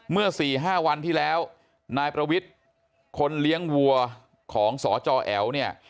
เมื่อ๔๕วันที่แล้วนายประวิทย์คนเลี้ยงวัวของสจแอ๋วเนี่ย